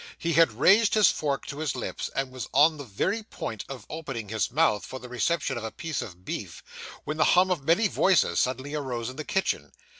He had raised his fork to his lips, and was on the very point of opening his mouth for the reception of a piece of beef, when the hum of many voices suddenly arose in the kitchen.